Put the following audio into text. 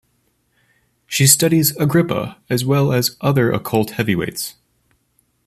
She studies Agrippa as well as other occult heavyweights.